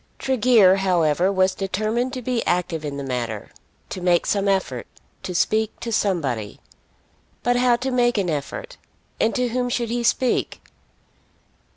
Tregear, however, was determined to be active in the matter, to make some effort, to speak to somebody. But how to make an effort, and to whom should he speak?